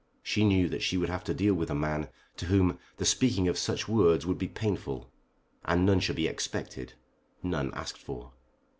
She knew that she would have to deal with a man to whom the speaking of such words would be painful, and none should be expected, none asked for.